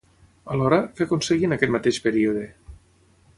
Alhora, què aconseguí en aquest mateix període?